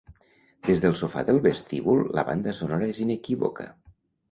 Des del sofà del vestíbul la banda sonora és inequívoca.